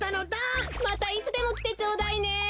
またいつでもきてちょうだいね。